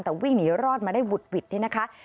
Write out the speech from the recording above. แต่วิ่งหนีรอดมาได้วุดนะครับ